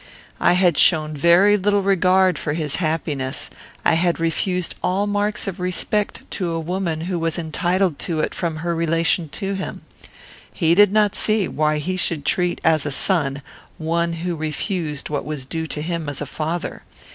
I had shown very little regard for his happiness; I had refused all marks of respect to a woman who was entitled to it from her relation to him. He did not see why he should treat as a son one who refused what was due to him as a father.